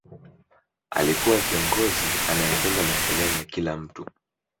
alikuwa kiongozi anayependa maendeleo ya kila mtu